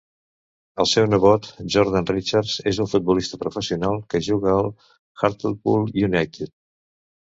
El seu nebot, Jordan Richards, és un futbolista professional que juga al Hartlepool United.